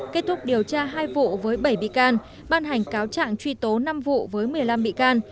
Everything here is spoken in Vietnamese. kết thúc điều tra hai vụ với bảy bị can ban hành cáo trạng truy tố năm vụ với một mươi năm bị can